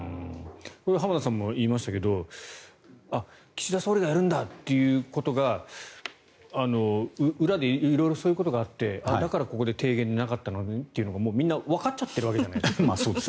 浜田さんも言いましたけど岸田総理がやるんだということが裏で色々そういうことがあってだから提言がなかったのねってみんなわかっちゃってるわけじゃないですか。